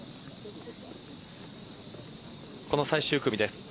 この最終組です。